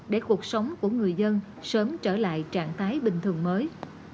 để cuộc sống của người dân sớm trở lại trạng thái bình thường mới